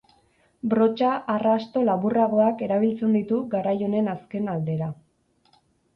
Brotxa-arrasto laburragoak erabiltzen ditu garai honen azken aldera.